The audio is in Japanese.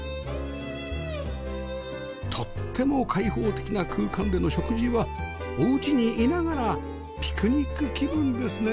とっても開放的な空間での食事はお家にいながらピクニック気分ですねえ